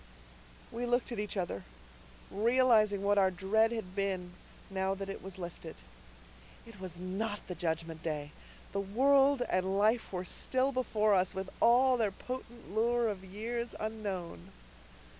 We looked at each other, realizing what our dread had been, now that it was lifted. It was not the Judgment Day. The world and life were still before us, with all their potent lure of years unknown.